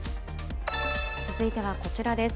続いてはこちらです。